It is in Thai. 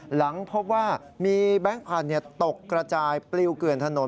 หลังพบว่ามีแบงค์พันธุ์ตกกระจายปลิวเกลื่อนถนน